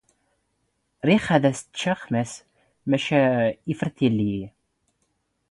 ⵔⵉⵖ ⴰⴷ ⴰⵙ ⵛⵛⵖ ⵎⴰⵙ ⵎⴰⵛⵛ ⵉⴼⴼⵔⵜⵜⵍ ⵉⵢⵉ.